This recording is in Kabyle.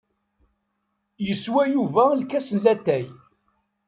Yeswa Yuba lkas n latay.